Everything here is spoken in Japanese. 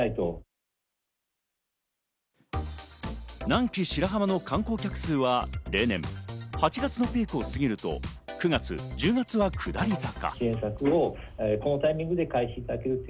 南紀白浜の観光客数は例年８月のピークを過ぎると、９月・１０月は下り坂。